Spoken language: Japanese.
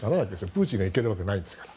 プーチンが行けるわけがないから。